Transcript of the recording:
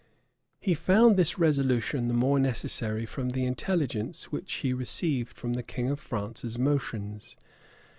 [] He found this resolution the more necessary, from the intelligence which he received of the king of France's motions.